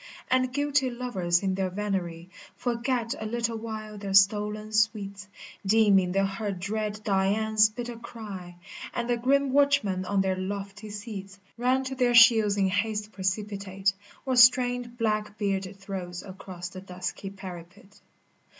And guilty lovers in their venery Forgat a little while their stolen sweets, Deeming they heard dread Dian's bitter cry ; And the grim watchmen on their lofty seats Ran to their shields in haste precipitate, Or strained black bearded throats across the dusky parapet.